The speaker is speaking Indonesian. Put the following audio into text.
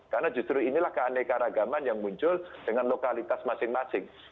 karena justru inilah keaneka ragaman yang muncul dengan lokalitas masing masing